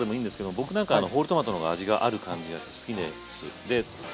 僕何かホールトマトの方が味がある感じがして好きです。